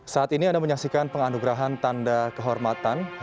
saat ini anda menyaksikan penganugerahan tanda kehormatan